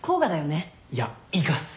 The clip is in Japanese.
いや伊賀っす。